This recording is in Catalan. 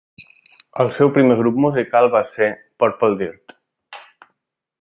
El seu primer grup musical va ser Purple Dirt.